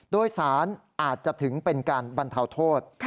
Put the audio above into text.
โดยสารอาจจะถึงเป็นการบรรเทาโทษ